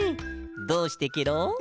どうしてケロ？